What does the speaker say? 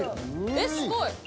えっすごい。